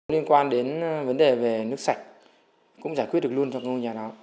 liên quan đến vấn đề về nước sạch cũng giải quyết được luôn cho ngôi nhà đó